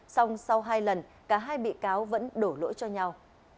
xong sau hai lần cả hai bị cáo vẫn đổ lỗi cho nhau